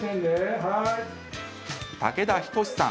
武田仁さん。